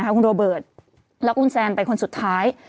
คุณโรเบิร์ตแล้วคุณแซนเป็นคนสุดท้าย